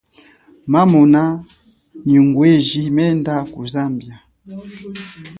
Mamona nyi ngweji menda ku Zambia.